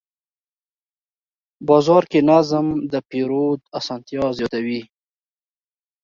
بازار کې نظم د پیرود اسانتیا زیاتوي